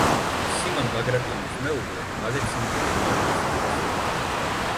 სიმონ ბაგრატიონის მეუღლე მალე ციმბირში გადაასახლეს.